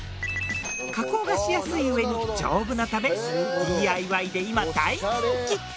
加工がしやすいうえに丈夫なためＤＩＹで今大人気。